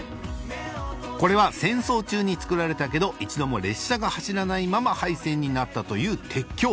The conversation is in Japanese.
これは戦争中に造られたけど一度も列車が走らないまま廃線になったという鉄橋